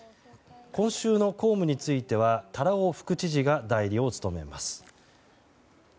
今週の公務については多羅尾副知事が代理を務めます。